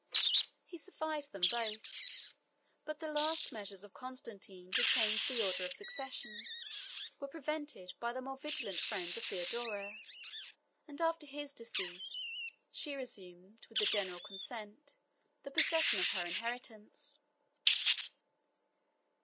He survived them both; but the last measures of Constantine to change the order of succession were prevented by the more vigilant friends of Theodora; and after his decease, she resumed, with the general consent, the possession of her inheritance.